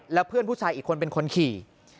แล้วเพื่อนผู้ชายอีกคนเป็นคนขี่